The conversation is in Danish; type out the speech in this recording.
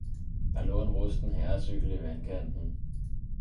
Der lå en rusten herrecykkel i vandkanten.